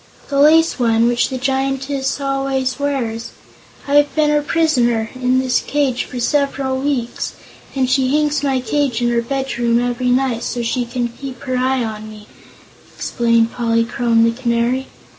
"The lace one, which the Giantess always wears. I have been her prisoner, in this cage, for several weeks, and she hangs my cage in her bedroom every night, so that she can keep her eye on me," explained Polychrome the Canary.